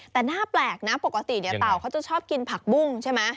แต่น่าแปลกนะปกติเนี่ยเต่าเขาจะชอบกินผักบุ้งใช่ไหม